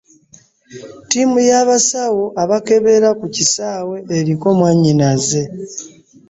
Ttiimu y'abasawo abakebera ku kisaawe eriko mwannyinaze.